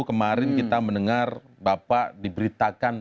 kemarin kita mendengar bapak diberitakan